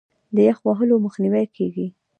د یخ وهلو مخنیوی کیږي.